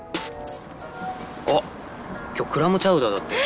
あっ今日クラムチャウダーだって。